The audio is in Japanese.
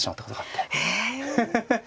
ええ。ハハハ。